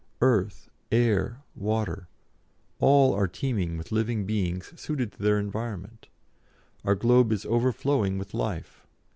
Earth, air, water, all are teeming with living things suited to their environment; our globe is overflowing with life.